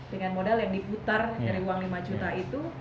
dengan modal yang diputar dari uang lima juta itu